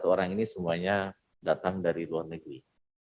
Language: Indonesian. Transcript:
satu orang ini semuanya datang dari luar negeri